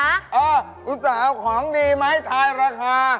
อ้าวอุตส่าห์ของดีไม้ทายราคา